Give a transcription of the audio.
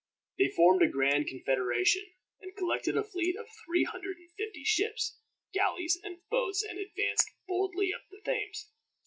They formed a grand confederation, and collected a fleet of three hundred and fifty ships, galleys, and boats, and advanced boldly up the Thames.